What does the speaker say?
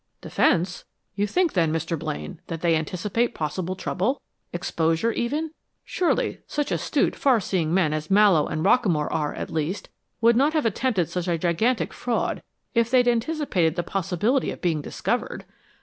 "Defense? You think, then, Mr. Blaine, that they anticipate possible trouble exposure, even? Surely such astute, far seeing men as Mallowe and Rockamore are, at least, would not have attempted such a gigantic fraud if they'd anticipated the possibility of being discovered!